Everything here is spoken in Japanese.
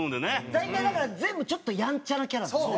大体だから全部ちょっとやんちゃなキャラなんだよね。